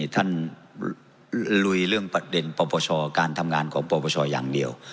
ท่านลุยเรื่องประเด็นประประชาการทำงานของประประชาอย่างเดียว